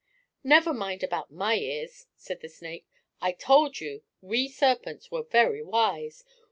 "Never mind about my ears," said the snake. "I told you we serpents were very wise.